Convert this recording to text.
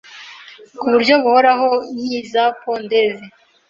ku buryo buhoraho nk’iza pondezi